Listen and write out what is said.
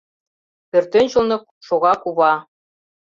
Пӧртӧнчылнӧ шога кува